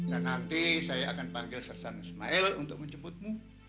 dan nanti saya akan panggil sersang ismail untuk menjemputmu